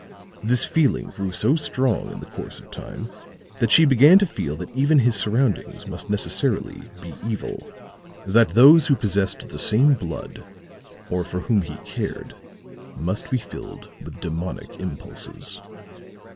This feeling grew so strong in the course of time that she began to feel that even his surroundings must necessarily be evil, that those who possessed the same blood, or for whom he cared, must be filled with demonic impulses."